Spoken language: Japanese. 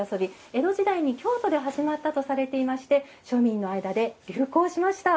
江戸時代に京都で始まったとされていまして庶民の間で流行しました。